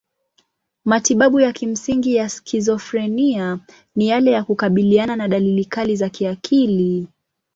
Matibabu ya kimsingi ya skizofrenia ni yale ya kukabiliana na dalili kali za kiakili.